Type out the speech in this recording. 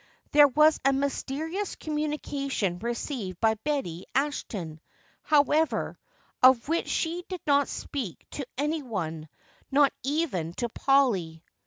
There was a mysterious communication received by Betty Ashton, however, of which she did not speak to any one, not even to Polly.